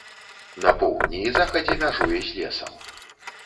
На поўдні і захадзе мяжуе з лесам.